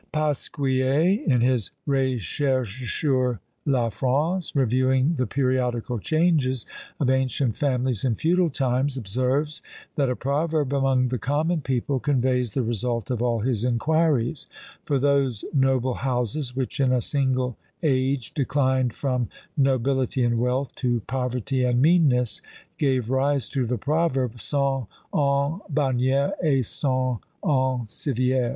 Pasquier, in his Récherches sur la France, reviewing the periodical changes of ancient families in feudal times, observes, that a proverb among the common people conveys the result of all his inquiries; for those noble houses, which in a single age declined from nobility and wealth to poverty and meanness, gave rise to the proverb, _Cent ans bannières et cent ans civières!